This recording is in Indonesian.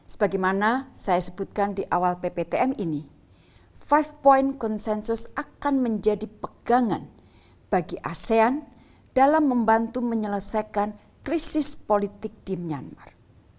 sebagaimana saya sebutkan di awal pptm ini lima point konsensus akan menjadi pegangan bagi asean dalam membantu menyelesaikan krisis politik di myanmar